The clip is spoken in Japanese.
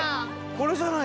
これじゃない？